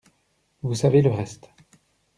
Vous savez le reste.